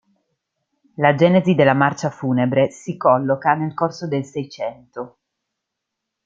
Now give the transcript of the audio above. La genesi della marcia funebre si colloca nel corso del Seicento.